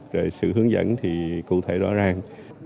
rồi sự hướng dẫn thì cụ thể rõ ràng